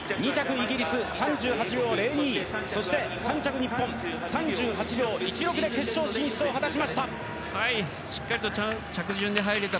イギリス３８秒０２そして３着、日本は３８秒１６で決勝進出を果たしました。